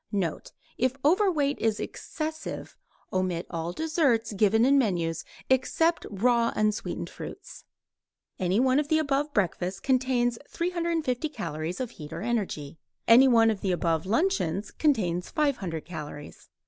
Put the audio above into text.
Note: If overweight is excessive omit all desserts given in menus except raw unsweetened fruits. Any one of the above breakfasts contains 350 calories of heat or energy. Any one of the above luncheons contains 500 calories.